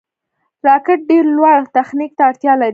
راکټ ډېر لوړ تخنیک ته اړتیا لري